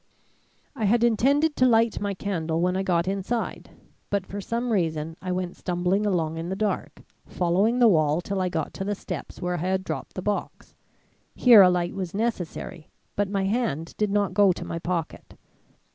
"I had intended to light my candle when I got inside; but for some reason I went stumbling along in the dark, following the wall till I got to the steps where I had dropped the box. Here a light was necessary, but my hand did not go to my pocket.